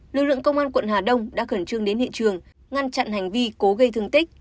lực lượng công an quận hà đông đã khẩn trương đến hiện trường ngăn chặn hành vi cố gây thương tích